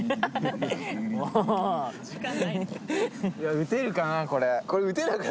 撃てるかなこれ。